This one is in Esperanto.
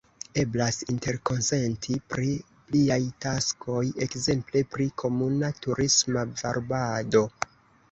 Eblas interkonsenti pri pliaj taskoj, ekzemple pri komuna turisma varbado.